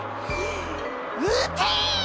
うて！